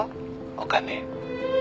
お金」